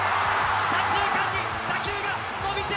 左中間に打球が伸びて！